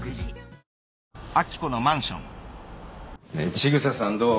千草さんどう？